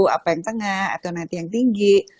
apa yang tengah atau nanti yang tinggi